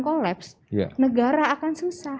kolaps negara akan susah